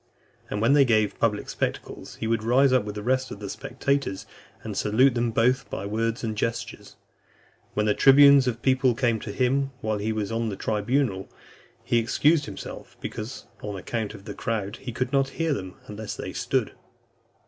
And when they gave public spectacles, he would rise up with the rest of the spectators, and salute them both by words and gestures. When the tribunes of the people came to him while he was on the tribunal, he excused himself, because, on account of the crowd, he could not hear them unless they stood.